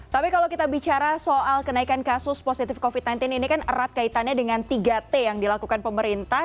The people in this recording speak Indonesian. tapi kalau kita bicara soal kenaikan kasus positif covid sembilan belas ini kan erat kaitannya dengan tiga t yang dilakukan pemerintah